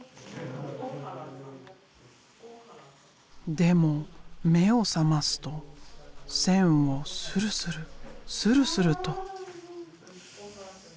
でも目を覚ますと線をスルスルスルスルと。